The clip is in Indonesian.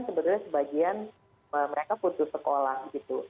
sebenarnya sebagian mereka putus sekolah gitu